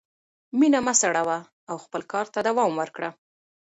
مینه مه سړوه او خپل کار ته دوام ورکړه.